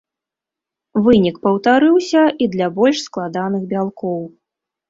Вынік паўтарыўся і для больш складаных бялкоў.